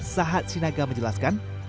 sahat sinaga menjelaskan